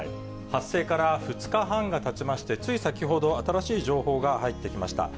発生から２日半がたちまして、つい先ほど、新しい情報が入ってきました。